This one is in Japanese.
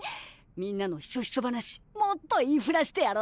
みんなのひそひそ話もっと言いふらしてやろうっと。